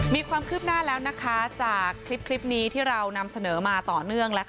มีความคืบหน้าแล้วนะคะจากคลิปนี้ที่เรานำเสนอมาต่อเนื่อง